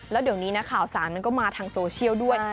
แล้วเดี๋ยวนี้นะข่าวสารมันก็มาทางโซเชียลด้วย